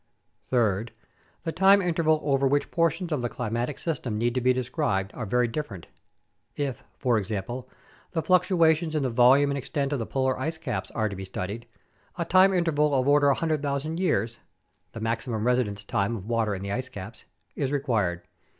Third, the time interval over which portions of the climatic system need to be described are very different. If, for example, the fluctuations in the volume and extent of the polar ice caps are to be studied, a time interval of order 100,000 years (the maximum residence time of water in the ice caps) is required.